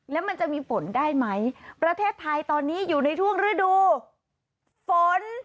แล้วมันจะมีฝนได้ไหมประเทศไทยตอนนี้อยู่ในช่วงฤดูฝน